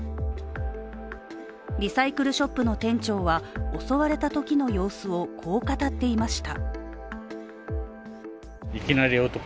リサイクルショップの店長は襲われたときの様子を、こう語っていました。